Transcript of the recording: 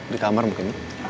di kamar mungkin